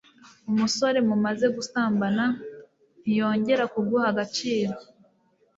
umusore mumaze gusambana ntiyongera kuguha agaciro